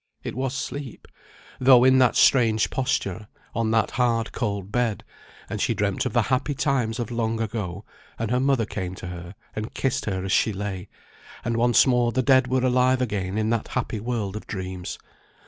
it was sleep, though in that strange posture, on that hard cold bed; and she dreamt of the happy times of long ago, and her mother came to her, and kissed her as she lay, and once more the dead were alive again in that happy world of dreams.